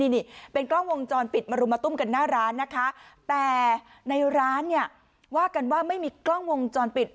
นี่เป็นกล้องวงจรปิดมารุมมาตุ้มกันหน้าร้านนะคะแต่ในร้านเนี่ยว่ากันว่าไม่มีกล้องวงจรปิด